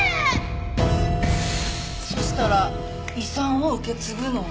そしたら遺産を受け継ぐのは。